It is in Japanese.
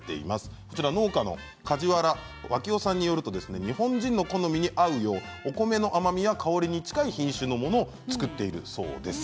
こちら農家の梶原和亀男さんによると日本人の好みに合うようお米の甘みや香りに近い品種のものを作っているそうです。